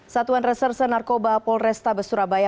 satuan reserse narkoba polresta besurabaya